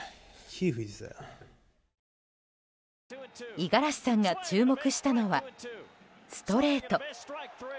五十嵐さんが注目したのはストレート。